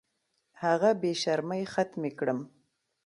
هغه بې شرمۍ ختمې کړم.